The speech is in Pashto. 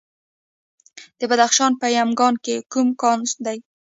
د بدخشان په یمګان کې کوم کان دی؟